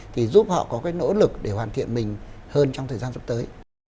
thì giúp họ có cái nỗ lực để hoàn thiện mình hơn trong thời gian sắp tới